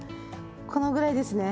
このぐらいですね。